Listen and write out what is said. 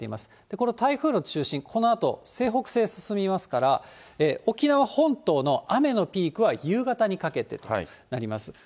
この台風の中心、このあと西北西に進みますから、沖縄本島の雨のピークは夕方にかけてとなります。